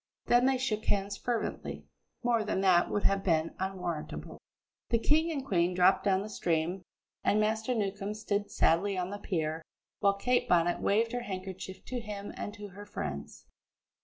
Then they shook hands fervently; more than that would have been unwarrantable. The King and Queen dropped down the stream, and Master Newcombe stood sadly on the pier, while Kate Bonnet waved her handkerchief to him and to her friends.